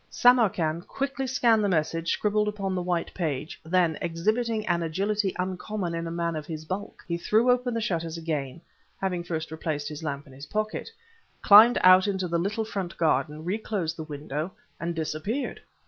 Samarkan quickly scanned the message scribbled upon the white page; then, exhibiting an agility uncommon in a man of his bulk, he threw open the shutters again, having first replaced his lamp in his pocket, climbed out into the little front garden, reclosed the window, and disappeared!